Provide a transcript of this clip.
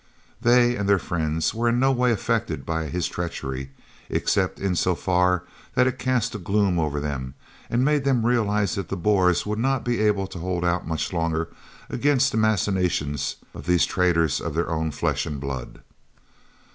They and their friends were in no way affected by his treachery, except in so far that it cast a gloom over them and made them realise that the Boers would not be able to hold out much longer against the machinations of these traitors of their own flesh and blood.